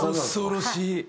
恐ろしい！